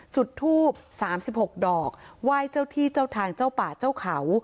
จุดทูบ๓๖ดอกไหว้เจ้าที่เจ้าทางเจ้าป่าเจ้าเขา